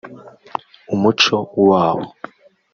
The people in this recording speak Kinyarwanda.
umuco waho